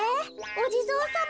おじぞうさま？